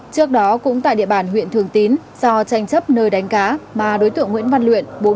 trước đó cũng tại địa bàn huyện thường tín do tranh chấp nơi đánh cá mà đối tượng nguyễn văn luyện